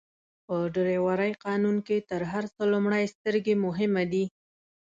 په ډرایورۍ قانون کي تر هر څه لومړئ سترګي مهمه دي.